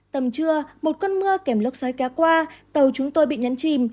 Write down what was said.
tầm trưa một con mưa kèm lốc xoáy kéo qua tàu chúng tôi bị nhấn chìm